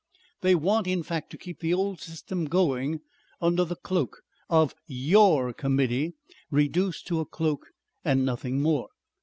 "They want in fact to keep the old system going under the cloak of YOUR Committee, reduced to a cloak and nothing more?"